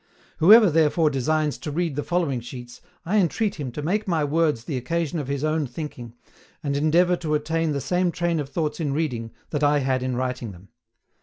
Whoever therefore designs to read the following sheets, I entreat him to make my words the occasion of his own thinking, and endeavour to attain the same train of thoughts in reading that I had in writing them.